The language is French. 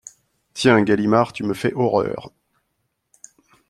Tiens, Galimard, tu me fais horreur !…